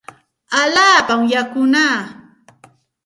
Allaapami yakunaa.